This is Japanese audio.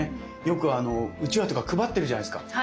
よくうちわとか配ってるじゃないですか。